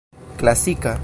klasika